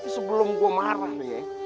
sebelum gua marah nih ya